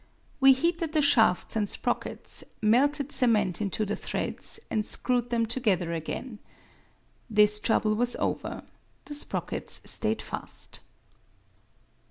We heated the shafts and sprockets, melted cement into the threads, and screwed them together again. This trouble was over. The sprockets stayed fast.